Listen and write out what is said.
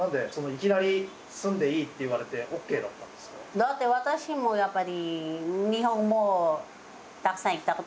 だって私もやっぱり。